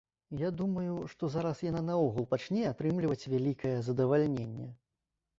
Я думаю, што зараз яна наогул пачне атрымліваць вялікае задавальненне.